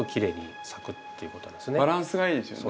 バランスがいいですよね。